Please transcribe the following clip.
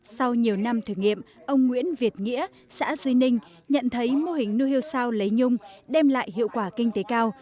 sau nhiều năm thử nghiệm ông nguyễn việt nghĩa xã duy ninh nhận thấy mô hình nuôi hiêu sao lấy nhung đem lại hiệu quả kinh tế cao